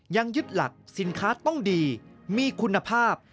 ยึดหลักสินค้าต้องดีมีคุณภาพ